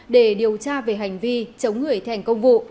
để điều tra về hành vi chống người thành công vụ